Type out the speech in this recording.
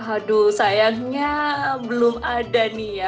aduh sayangnya belum ada nih ya